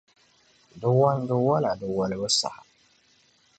di wandi wala di walibu saha.